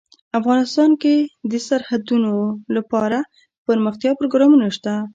افغانستان کې د سرحدونه لپاره دپرمختیا پروګرامونه شته.